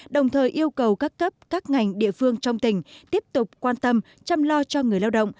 đồng thời yêu cầu các cấp các ngành địa phương trong tỉnh tiếp tục quan tâm chăm lo cho người lao động